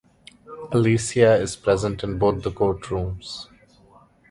Alicia is present in both courtrooms.